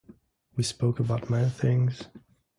We spoke about many things.